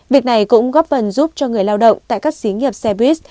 việc này cũng góp phần giúp cho người lao động tại các xí nghiệp xe buýt